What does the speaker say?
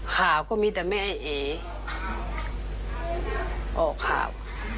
ข่าวก็มีแต่แม่ไอ้เอ๋ออกข่าว